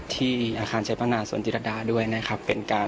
ที่อาคารชัยปนาสวนจิรดาด้วยนะครับ